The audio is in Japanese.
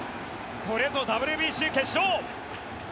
これぞＷＢＣ決勝。